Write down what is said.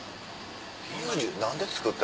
何で作った？